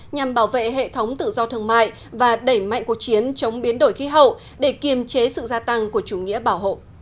nhằm bảo vệ hệ thống tự do thương mại và đẩy mạnh cuộc chiến chống biến đổi khí hậu để kiềm chế sự gia tăng của chủ nghĩa bảo hộ